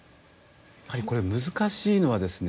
やはりこれ難しいのはですね